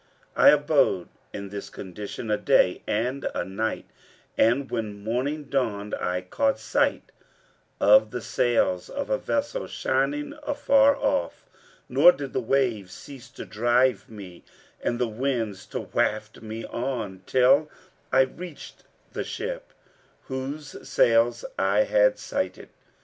I abode in this condition a day and a night; and, when morning dawned, I caught sight of the sails of a vessel shining afar off, nor did the waves cease to drive me and the winds to waft me on, till I reached the ship, whose sails I had sighted.